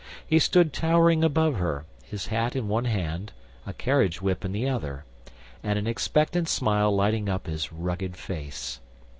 He stood towering above her, his hat in one hand, a carriage whip in the other, and an expectant smile lighting up his rugged face.